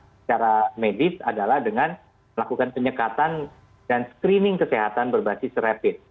secara medis adalah dengan melakukan penyekatan dan screening kesehatan berbasis rapid